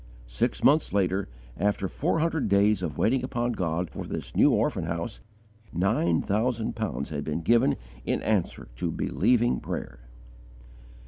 Six months later, after four hundred days of waiting upon God for this new orphan house, nine thousand pounds had been given in answer to believing prayer.